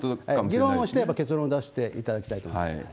議論をして、やっぱり結論を出していただきたいと思います。